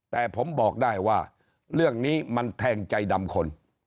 แต่ผมบอกได้ว่าเรื่องนี้มันแทงใจดำคน